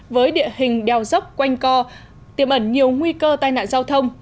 với địa hình đeo dốc quanh co tiềm ẩn nhiều nguy cơ tai nạn giao thông